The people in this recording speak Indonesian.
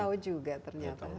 tau juga ternyata